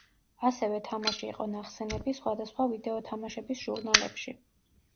ასევე თამაში იყო ნახსენები სხვადასხვა ვიდეო თამაშების ჟურნალებში.